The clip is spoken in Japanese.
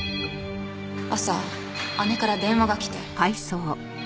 朝姉から電話が来て。